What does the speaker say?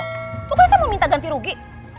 pokoknya saya mau minta ganti rugi